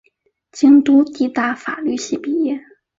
京都帝大法律系毕业。